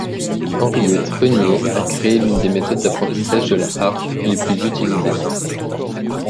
Henriette Renié a créé l'une des méthodes d'apprentissage de la harpe les plus utilisées.